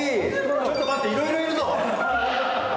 ちょっと待って、いろいろいるぞ。